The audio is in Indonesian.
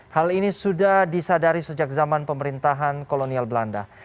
hal ini sudah disadari sejak zaman pemerintahan kolonial belanda